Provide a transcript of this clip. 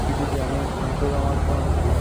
তিনি ব্যতীত তোমাদের অন্য কোন ইলাহ নেই।